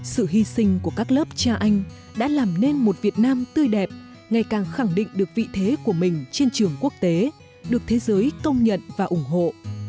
sự hy sinh của các lớp cha anh đã làm nên một việt nam tươi đẹp ngày càng khẳng định được vị thế của mình trên trường quốc tế được thế giới công nhận và ủng hộ